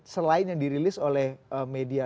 selain yang dirilis oleh media